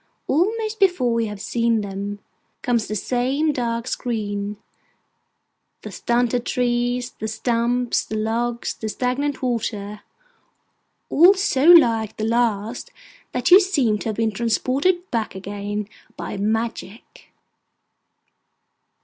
almost before you have seen them, comes the same dark screen: the stunted trees, the stumps, the logs, the stagnant water—all so like the last that you seem to have been transported back again by magic.